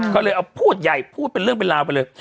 ก็เลยเอาพูดใหญ่พูดเป็นเรื่องเป็นราวไปเลย